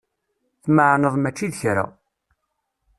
Tmeεneḍ mačči d kra.